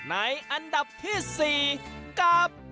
ในอันดับที่๔กับ